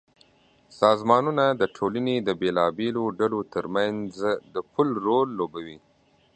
سازمانونه د ټولنې د بېلابېلو ډلو ترمنځ د پُل رول لوبوي.